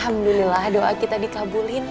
alhamdulillah doa kita dikabulin